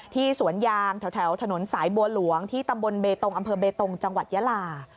สวนยางแถวถนนสายบัวหลวงที่ตำบลเบตงอำเภอเบตงจังหวัดยาลา